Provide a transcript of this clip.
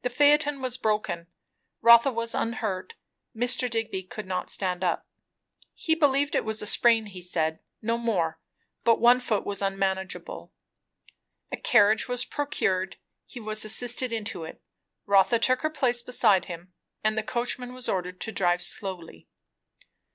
The phaeton was broken; Rotha was unhurt; Mr. Digby could not stand up. He believed it was a sprain, he said; no more; but one foot was unmanageable. A carriage was procured, he was assisted into it, Rotha took her place beside him, and the coachman was ordered to drive slowly.